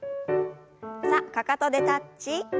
さあかかとでタッチ。